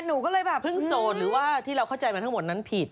หนูก็เลยแบบเพิ่งโสดหรือว่าที่เราเข้าใจมาทั้งหมดนั้นผิด